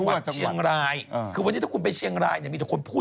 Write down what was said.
โอเคแล้วแต่สบเนี่ยก็ยังอยู่